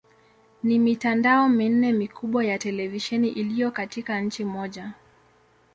Ni mitandao minne mikubwa ya televisheni iliyo katika nchi moja.